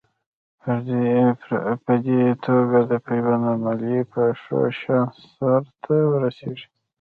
په دې توګه د پیوند عملیه په ښه شان سر ته ورسېږي.